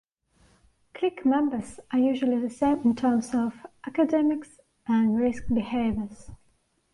Clique members are usually the same in terms of academics and risk behaviors.